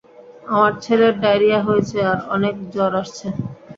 আমার ছেলের ডায়রিয়া হয়েছে আর অনেক জ্বর আসছে।